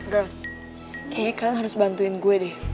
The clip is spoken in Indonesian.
gers kayaknya kalian harus bantuin gue deh